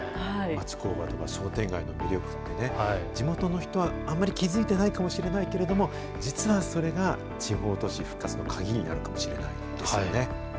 町工場とか商店街の魅力ってね、地元の人は、あまり気付いてないかもしれないけれども、実はそれが地方都市復活の鍵になるか